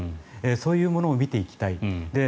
そういうものを見ていきたい。